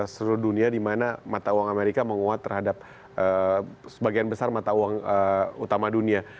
seluruh dunia di mana mata uang amerika menguat terhadap sebagian besar mata uang utama dunia